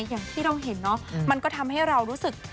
อย่างที่เราเห็นเนาะมันก็ทำให้เรารู้สึก